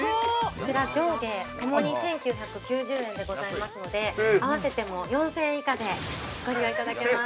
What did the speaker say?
◆こちら、上下ともに１９９０円でございますので合わせても４０００円以下でご利用いただけます。